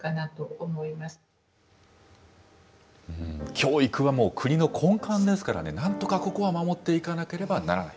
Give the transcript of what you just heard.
教育はもう国の根幹ですからね、なんとかここは守っていかなければならない。